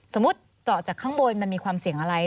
เจาะจากข้างบนมันมีความเสี่ยงอะไร